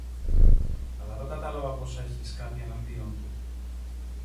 Καλά το κατάλαβα πως έχεις κάτι εναντίον του